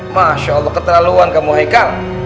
masya allah keterlaluan kamu hai ika